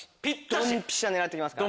ドンピシャ狙っていきますから。